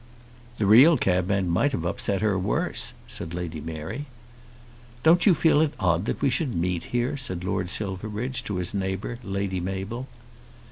"The real cabman might have upset her worse," said Lady Mary. "Don't you feel it odd that we should meet here?" said Lord Silverbridge to his neighbour, Lady Mabel.